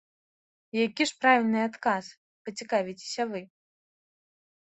Які ж правільны адказ, пацікавіцеся вы?